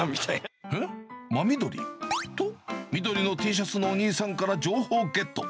真緑？と、緑のＴシャツのお兄さんから情報ゲット。